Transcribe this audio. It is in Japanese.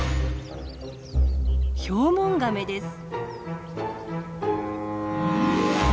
ヒョウモンガメです。